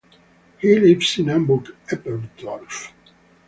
He lives in Hamburg-Eppendorf.